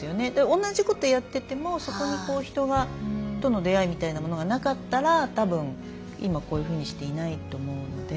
同じことやっててもそこに人との出会いみたいなものがなかったらたぶん今こういうふうにしていないと思うので。